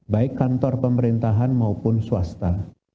baik kantor pemerintahan maupun swasta